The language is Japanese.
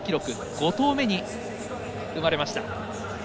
５投目に生まれました。